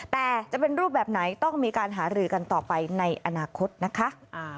แต่จะเป็นรูปแบบไหนต้องมีการหารือกันต่อไปในอนาคตนะคะ